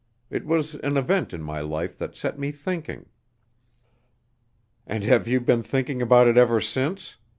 It was an event in my life that set me thinking." "And have you been thinking about it ever since?"